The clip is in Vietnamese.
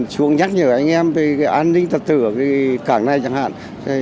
chúng nhắc nhở anh em về an ninh tật tử ở cảng này chẳng hạn